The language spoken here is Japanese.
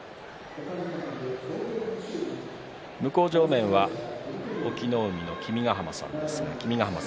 向正面は隠岐の海の君ヶ濱さんです。